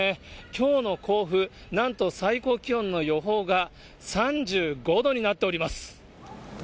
きょうの甲府、なんと最高気温の予報が３５度になっております。